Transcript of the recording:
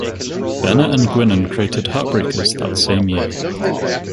Bennett and Guinan created "Heartbreakers" that same year.